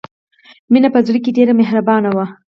مینه په زړه کې ډېره مهربانه وه